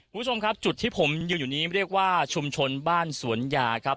คุณผู้ชมครับจุดที่ผมยืนอยู่นี้เรียกว่าชุมชนบ้านสวนยาครับ